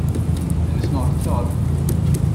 Är du snart klar?